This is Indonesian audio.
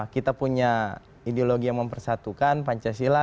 kita punya ideologi yang mempersatukan pancasila